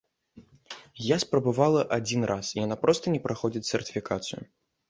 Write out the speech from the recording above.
Я спрабавала адзін раз, яна проста не праходзіць сертыфікацыю.